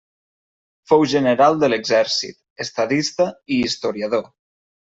Fou general de l'exèrcit, estadista i historiador.